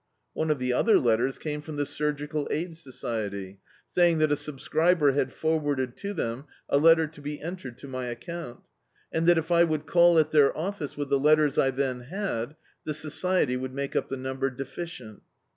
One of the other letters came from the Surgical Aid Sodety, saying that a subscriber had forwarded to them a letter to be entered to my account, and that if I would call at their office with the letters I then had, the Society would make up the number defi cient.